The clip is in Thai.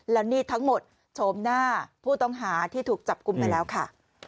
แล้วนี่ทั้งหมดโฉมหน้าผู้ต้องหาที่ถูกจับกลุ่มไปแล้วค่ะ